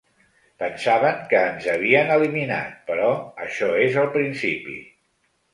Pensaven que ens havien eliminat, però això és el principi.